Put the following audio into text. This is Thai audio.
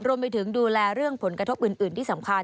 รวมไปถึงดูแลเรื่องผลกระทบอื่นที่สำคัญ